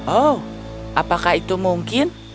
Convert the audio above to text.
oh apakah itu mungkin